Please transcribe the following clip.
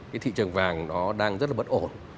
cái thị trường vàng nó đang rất là bất ổn